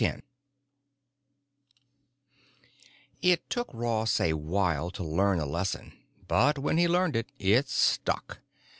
10 IT took Ross a while to learn a lesson, but when he learned it, it stuck.